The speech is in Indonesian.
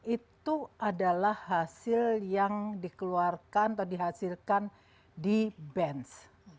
itu adalah hasil yang dikeluarkan atau dihasilkan di bench